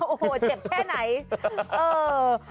โหเจ็บแค่ไหน